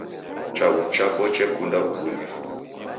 Chaghu chapo chekunda w'ubunifu.